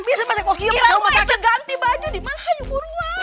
ira saya te ganti baju dimana ayo buruan